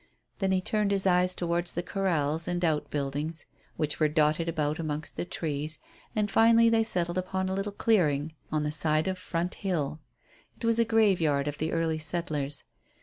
Then he turned his eyes towards the corrals and outbuildings which were dotted about amongst the trees, and finally they settled upon a little clearing on the side of Front Hill. It was a graveyard of the early settlers.